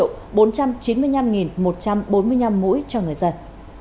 tổng cộng là một trăm bốn mươi năm mũi cho người dân